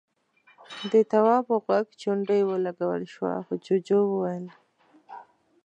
د تواب په غوږ چونډۍ ولګول شوه، جُوجُو وويل: